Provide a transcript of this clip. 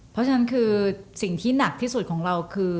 เพราะฉะนั้นคือสิ่งที่หนักที่สุดของเราคือ